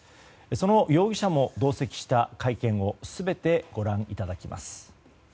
その容疑者も同席した会見を全てご覧いただきます。